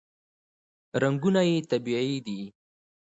رنګونه یې طبیعي دي.